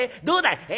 どうだい？」。